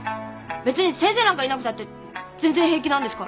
別に先生なんかいなくたって全然平気なんですから。